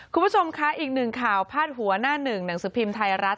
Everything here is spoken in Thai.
คุณผู้ชมคะอีกหนึ่งข่าวพาดหัวหน้าหนึ่งหนังสือพิมพ์ไทยรัฐ